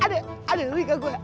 aduh aduh bika gue